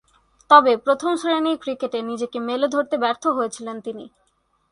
তবে, প্রথম-শ্রেণীর ক্রিকেটে নিজেকে মেলে ধরতে ব্যর্থ হয়েছিলেন তিনি।